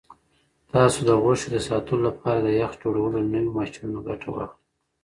تاسو د غوښې د ساتلو لپاره د یخ جوړولو له نویو ماشینونو ګټه واخلئ.